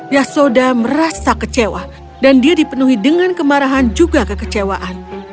yasoda merasa kecewa dan dia dipenuhi dengan kemarahan juga kekecewaan